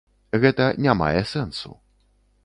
Гэта не мае сэнсу.